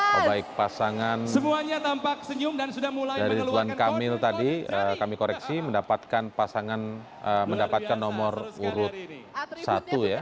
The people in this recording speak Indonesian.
pembaik pasangan dari tuan kamil tadi kami koreksi mendapatkan pasangan mendapatkan nomor urut satu ya